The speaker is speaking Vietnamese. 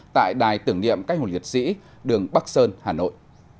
tại đài tưởng niệm các hồ liệt sĩ đường bắc sơn hà nội